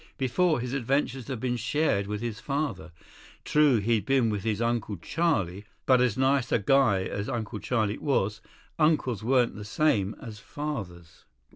Before, his adventures had been shared with his father. True, he'd be with his Uncle Charlie, but as nice a guy as Uncle Charlie was, uncles weren't the same as fathers.